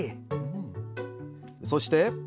そして。